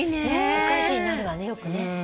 お菓子になるわねよくね。